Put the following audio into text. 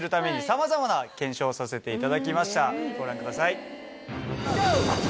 ご覧ください。